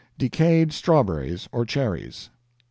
Decayed strawberries or cherries.